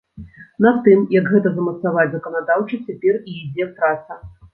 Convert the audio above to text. Над тым, як гэта замацаваць заканадаўча, цяпер і ідзе праца.